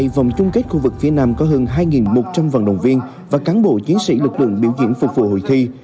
vòng chung kết khu vực phía nam có hơn hai một trăm linh vận động viên và cán bộ chiến sĩ lực lượng biểu diễn phục vụ hội thi